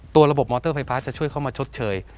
ระบบมอเตอร์ไฟฟ้าจะช่วยเข้ามาชดเชย